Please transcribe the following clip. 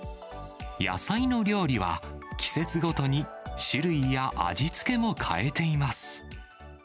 野菜の料理は、季節ごとに種類や味付けも変えています。